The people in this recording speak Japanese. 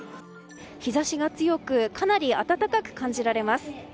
日差しが強くかなり暖かく感じられます。